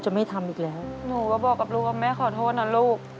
ไม่ทำอีกแล้วหนูก็บอกกับลูกว่าแม่ขอโทษนะลูก